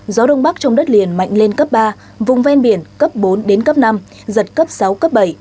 gió đông bắc trong đất liền mạnh lên cấp ba vùng ven biển cấp bốn đến cấp năm giật cấp sáu cấp bảy